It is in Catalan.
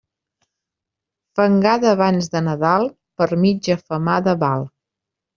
Fangada abans de Nadal, per mitja femada val.